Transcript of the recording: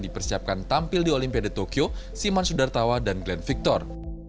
dipersiapkan tampil di olimpiade tokyo siman sudartawa dan glenn victor